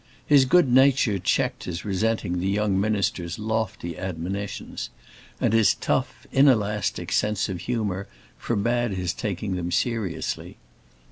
His good nature checked his resenting the young minister's lofty admonitions, and his tough, inelastic sense of humor forbade his taking them seriously.